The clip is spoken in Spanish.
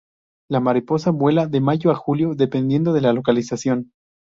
La mariposa vuela de mayo a julio dependiendo de la localización.